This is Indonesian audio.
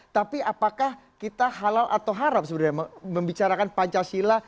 tapi apakah kita halal atau haram sebenarnya membicarakan pancasila